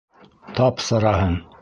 Тап сараһын!